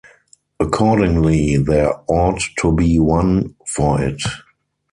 Accordingly there ought to be one for it.